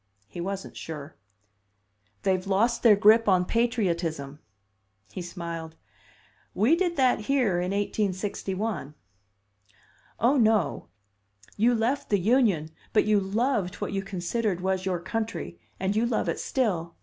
He wasn't sure. "They've lost their grip on patriotism." He smiled. "We did that here in 1861." "Oh, no! You left the Union, but you loved what you considered was your country, and you love it still.